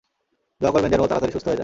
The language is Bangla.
দোয়া করবেন যেনো ও তাড়াতাড়ি সুস্থ হয়ে যায়।